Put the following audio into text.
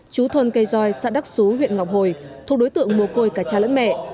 chú thuần cây roi xã đắc xú huyện ngọc hồi thuộc đối tượng mồ côi cả cha lẫn mẹ